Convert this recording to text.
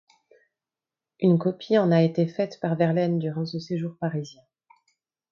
Une copie en a été faite par Verlaine durant ce séjour parisien.